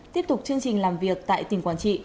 tiếp tục chương trình làm việc tại tỉnh quảng trị